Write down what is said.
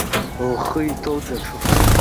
Лхы иҭоу даҽакуп.